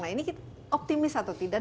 nah ini optimis atau tidak